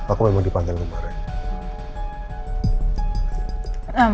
aku memang dipanggil kemarin